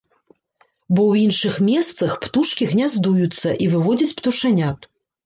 Бо ў іншых месцах птушкі гняздуюцца і выводзяць птушанят.